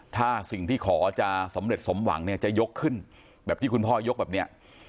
ถ้าสิ่งที่ขอจะสำเร็จสมหวังเนี่ยจะยกขึ้นแบบที่คุณพ่อยกแบบนี้